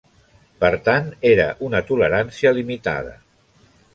Per tant era una tolerància limitada.